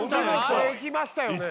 これいきましたよね